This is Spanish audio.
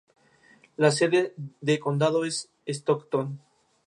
La sede de condado es Stockton.